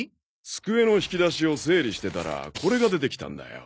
机の引き出しを整理してたらこれが出てきたんだよ。